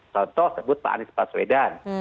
contoh sebut pak anies paswedan